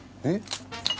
えっ？